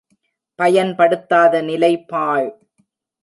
பயன்படுத்தாத நிலை பாழ்.